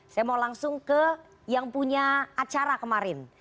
saya mau langsung ke yang punya acara kemarin